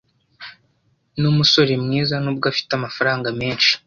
numusore mwiza nubwo afite amafaranga menshi.